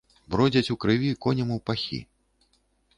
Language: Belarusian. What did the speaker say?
Бродзяць ў крыві коням ў пахі.